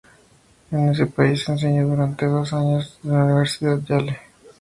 En ese país enseñó durante dos años en la Universidad Yale.